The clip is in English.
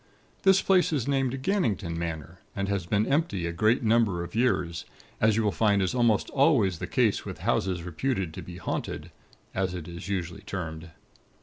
This place is named Gannington Manor, and has been empty a great number of years; as you will find is almost always the case with Houses reputed to be haunted, as it is usually termed.